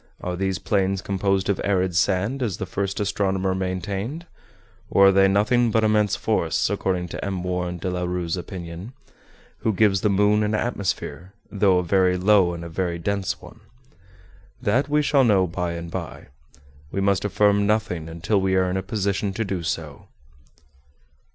Are these plains composed of arid sand, as the first astronomer maintained? Or are they nothing but immense forests, according to M. Warren de la Rue's opinion, who gives the moon an atmosphere, though a very low and a very dense one? That we shall know by and by. We must affirm nothing until we are in a position to do so."